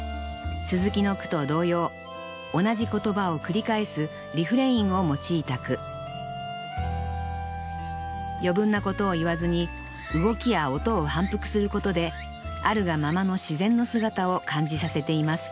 鱸の句と同様同じ言葉を繰り返すリフレインを用いた句余分なことを言わずに動きや音を反復することであるがままの自然の姿を感じさせています